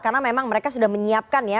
karena memang mereka sudah menyiapkan ya